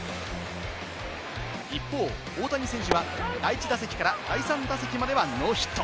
一方、大谷選手は第１打席から第３打席まではノーヒット。